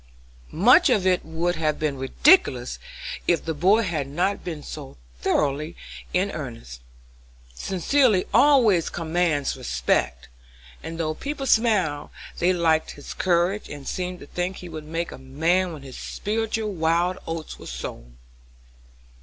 Much of it would have been ridiculous if the boy had not been so thoroughly in earnest; sincerity always commands respect, and though people smiled, they liked his courage, and seemed to think he would make a man when his spiritual wild oats were sown."